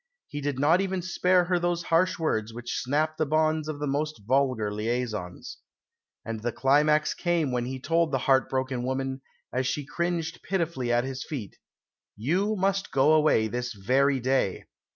He did not even spare her those harsh words which snap the bonds of the most vulgar liaisons." And the climax came when he told the heart broken woman, as she cringed pitifully at his feet, "You must go away this very day."